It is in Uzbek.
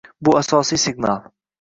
Bu asosiy signal